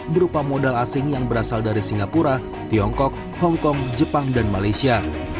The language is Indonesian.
berupa modal asing yang berasal dari singapura tiongkok hongkong jepang dan malaysia